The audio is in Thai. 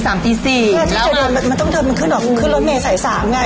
แล้วที่จะเดินมันต้องเดินขึ้นออกเข้ากินรถเมล์สายสามไง